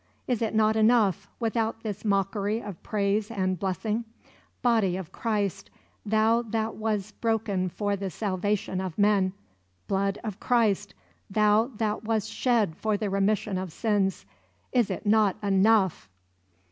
Is it not enough, without this mockery of praise and blessing? Body of Christ, Thou that wast broken for the salvation of men; blood of Christ, Thou that wast shed for the remission of sins; is it not enough?